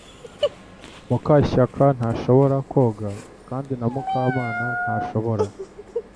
Mukashyakantashobora koga kandi na Mukamana ntashobora